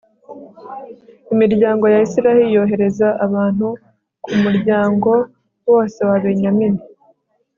imiryango ya israheli yohereza abantu ku muryango wose wa benyamini